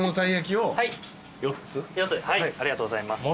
ありがとうございます。